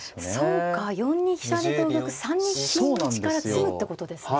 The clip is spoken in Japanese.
そうか４二飛車で同玉３二金打から詰むってことですね。